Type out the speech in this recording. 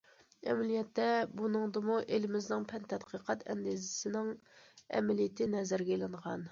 ئەمەلىيەتتە، بۇنىڭدىمۇ ئېلىمىزنىڭ پەن تەتقىقات ئەندىزىسىنىڭ ئەمەلىيىتى نەزەرگە ئېلىنغان.